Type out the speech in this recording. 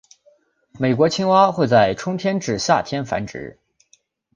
美国青蛙会在春天至夏天繁殖。